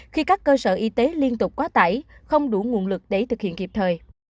khi các cơ sở y tế liên tục quá tải không đủ nguồn lực để thực hiện kịp thời